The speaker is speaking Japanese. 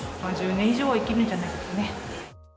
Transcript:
１０年以上は生きるんじゃないですかね。